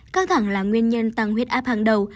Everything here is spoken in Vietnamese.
căng thẳng là nguyên nhân tăng huyết áp hàng đầu